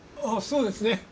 あぁそうですね。